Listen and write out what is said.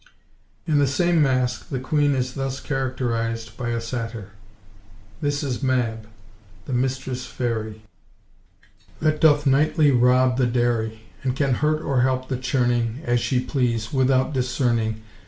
In the same masque the queen is thus characterised by a satyr:— "This is Mab, the mistress fairy, That doth nightly rob the dairy, And can hurt or help the churning, (As she please) without discerning.